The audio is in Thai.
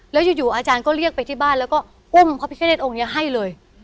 แล้วอยู่อาจารย์ก็เรียกไปที่บ้านแล้วก็อุ้มพระพิฆเนธองค์นี้ให้เลย